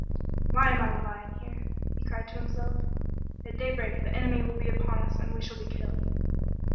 "Why am I lying here?" he cried to himself. " At daybreak the enemy will be upon us and we shall be killed."